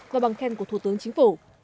và bằng khen của thủ tướng chính phủ